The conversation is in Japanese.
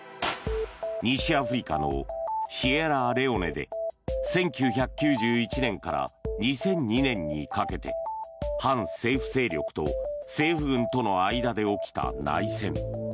西アフリカのシエラレオネで１９９１年から２００２年にかけて反政府勢力と政府軍との間で起きた内戦。